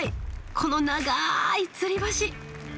この長いつり橋。